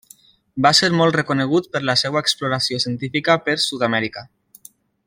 Va ser molt reconegut per la seva exploració científica per Sud-amèrica.